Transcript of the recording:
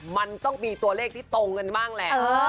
มันต้องมีตัวเลขที่ตรงกันบ้างแหละ